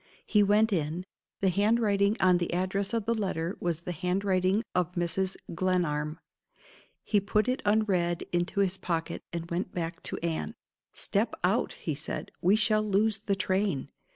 He went in. The handwriting on the address of the letter was the handwriting of Mrs. Glenarm. He put it unread into his pocket, and went back to Anne. "Step out!" he said. "We shall lose the train."